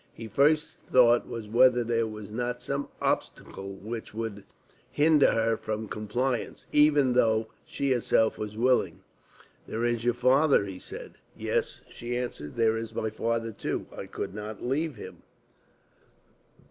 His first thought was whether there was not some obstacle which would hinder her from compliance, even though she herself were willing. "There is your father," he said. "Yes," she answered, "there is my father too. I could not leave him."